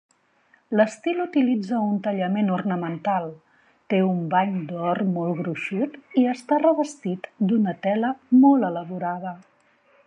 L'estil utilitza un tallament ornamental, té un bany d'or molt gruixut i està revestit d'una tela molt elaborada.